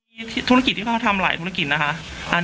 มีธุรกิจที่เขาทำหลายธุรกิจนะคะ